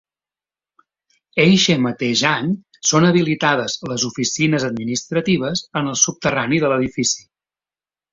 Eixe mateix any són habilitades les oficines administratives en el subterrani de l'edifici.